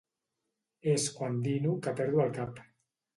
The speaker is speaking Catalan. És quan dino que perdo el cap.